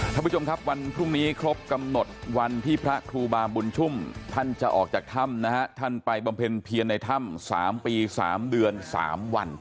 ท่านผู้ชมครับวันพรุ่งนี้ครบกำหนดวันที่พระครูบาบุญชุ่มท่านจะออกจากถ้ำนะฮะท่านไปบำเพ็ญเพียรในถ้ำ๓ปี๓เดือน๓วัน